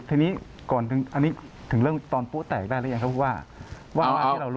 อันนี้ถึงเรื่องตอนปุ๋แต่กได้หรือเปล่ายังครับ